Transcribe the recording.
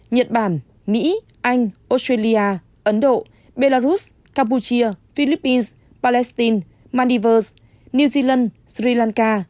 nhật bản mỹ anh australia ấn độ belarus campuchia philippines palestine maldives new zealand sri lanka